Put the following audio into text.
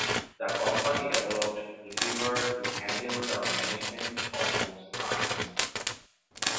The company developed Receiver to handle the management of those clients.